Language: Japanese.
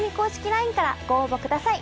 ＬＩＮＥからご応募ください。